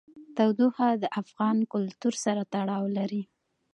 تودوخه د افغان کلتور سره تړاو لري.